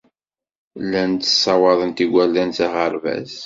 Llant ssawaḍent igerdan s aɣerbaz.